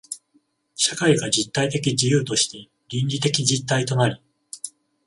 社会が実体的自由として倫理的実体となり、